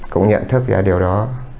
cũng nhận thức ra điều đó